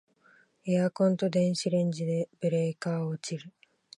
エアコンと電子レンジでブレーカー落ちる